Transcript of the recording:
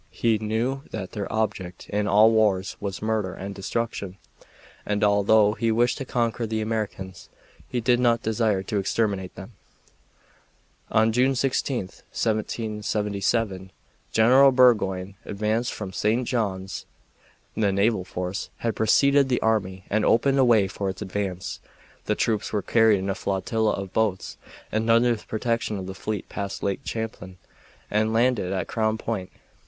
He knew that their object in all wars was murder and destruction, and although he wished to conquer the Americans, he did not desire to exterminate them. On June 16, 1777, General Burgoyne advanced from St. John's. The naval force had preceded the army and opened a way for its advance. The troops were carried in a flotilla of boats, and under the protection of the fleet passed Lake Champlain and landed at Crown Point.